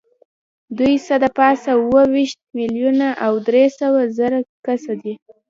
دوی څه د پاسه اووه ویشت میلیونه او درې سوه زره کسه دي.